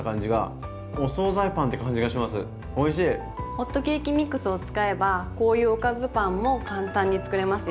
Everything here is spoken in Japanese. ホットケーキミックスを使えばこういうおかずパンも簡単に作れますよ。